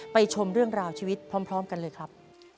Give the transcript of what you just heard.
ชมเรื่องราวชีวิตพร้อมกันเลยครับ